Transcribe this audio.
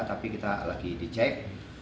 tapi kita lagi dicek